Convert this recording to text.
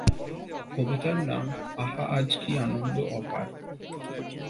কবিতার নাম "আহা, আজ কি আনন্দ অপার!"।